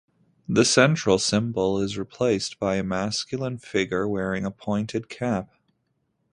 The central symbol is replaced by a masculine figure wearing a pointed cap.